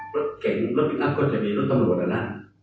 รถเก่งรถที่นักก็จะมีรถตำรวจนะ